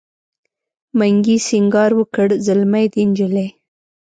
منګي سینګار وکړ زلمی دی نجلۍ